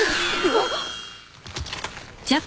あっ！？